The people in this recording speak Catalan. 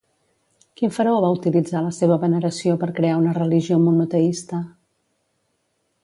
Quin faraó va utilitzar la seva veneració per crear una religió monoteista?